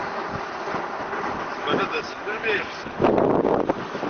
Zemren ad d-asen melmi ay ɣsen.